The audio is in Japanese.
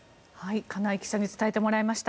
金井記者に伝えてもらいました。